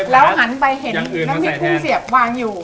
แล้วหันไปเห็นน้ำพริกกุ้งเสียบวางอยู่